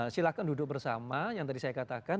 silahkan duduk bersama yang tadi saya katakan